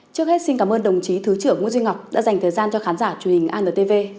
trước hết xin cảm ơn đồng chí thứ trưởng nguyễn duy ngọc đã dành thời gian cho khán giả truyền hình antv